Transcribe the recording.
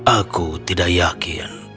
aku tidak yakin